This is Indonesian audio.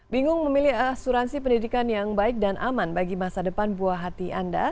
bingung memilih asuransi pendidikan yang baik dan aman bagi masa depan buah hati anda